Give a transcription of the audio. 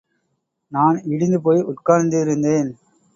நான் இடிந்துபோய் உட்கார்ந்திருந்தேன்.